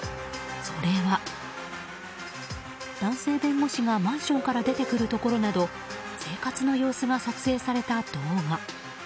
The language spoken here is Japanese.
それは。男性弁護士がマンションから出てくるところなど生活の様子が撮影された動画。